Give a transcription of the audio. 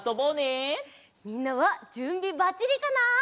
みんなはじゅんびバッチリかな？